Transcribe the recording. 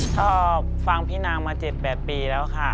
ชอบฟังพี่นางมา๗๘ปีแล้วค่ะ